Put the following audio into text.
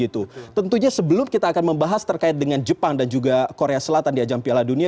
tentunya sebelum kita akan membahas terkait dengan jepang dan juga korea selatan di ajang piala dunia